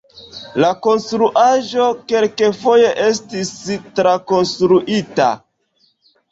La konstruaĵo kelkfoje estis trakonstruita.